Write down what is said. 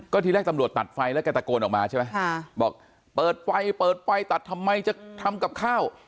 ทีแรกตำรวจตัดไฟแล้วแกตะโกนออกมาใช่ไหมบอกเปิดไฟเปิดไฟตัดทำไมจะทำกับข้าว